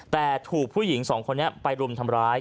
แต่ถูกผู้หญิงสองคนนี้ไปรุมทำร้าย